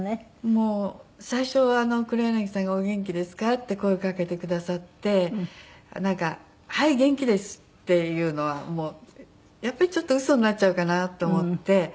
もう最初は黒柳さんが「お元気ですか？」って声をかけてくださってなんか「はい。元気です」っていうのはやっぱりちょっとウソになっちゃうかなと思って。